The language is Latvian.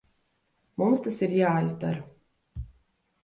Mums tas ir jāizdara.